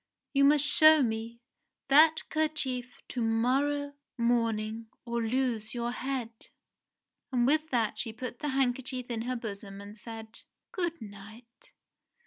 You must show me that kerchief to morrow morning or lose your head." And with that she put the handkerchief in her bosom and said, "Good night